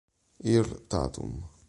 Earl Tatum